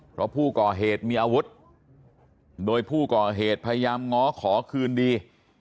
เพราะผู้ก่อเหตุมีอาวุธโดยผู้ก่อเหตุพยายามง้อขอคืนดี